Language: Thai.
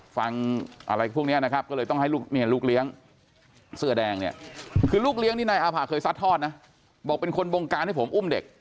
ฟังอะไรพวกนี้นะครับก็เลยต้องให้ลูกเนี่ยลูกเลี้ยงเสื้อแดงเนี่ยคือลูกเลี้ยงนี่นายอาภาเคยซัดทอดนะบอกเป็นคนบงการให้ผมอุ้มเด็ก